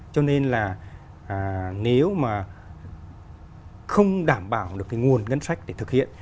cho nên là nếu mà không đảm bảo được cái nguồn ngân sách để thực hiện